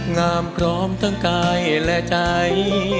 งามพร้อมทั้งกายและใจ